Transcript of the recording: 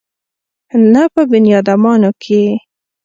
نه په بنيادامانو کښې.